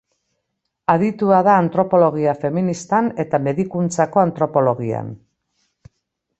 Aditua da antropologia feministan eta medikuntzako antropologian.